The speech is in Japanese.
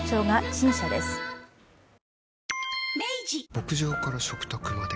牧場から食卓まで。